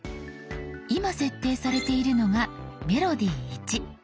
今設定されているのが「メロディ０１」。